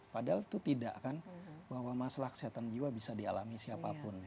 padahal itu tidak kan bahwa masalah kesehatan jiwa bisa dialami siapapun